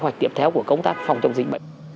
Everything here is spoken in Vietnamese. kế hoạch tiếp theo của công tác phòng chống dịch bệnh